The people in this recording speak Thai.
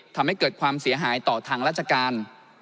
ทำให้เกิดความเสียหายต่อทางราชการ